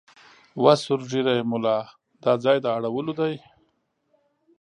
وه سور ږیریه مولا دا ځای د اړولو دی